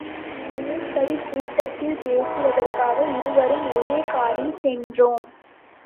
மேற்படிகூட்டத்தில் பேசுவதற்காக இருவரும் ஒரே காரில் சென்றோம்.